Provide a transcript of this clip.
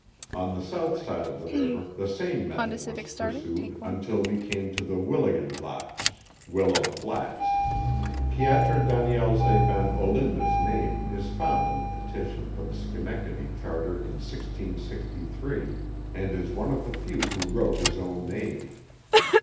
On the south side of the river the same method was pur sued until we came to the Willegen Vlachte (Willow Flats). Pieter Danielse Van O'Linda's name is found on the petition for the Schenectady charter in 1663, and is one of the few who wrote his own name.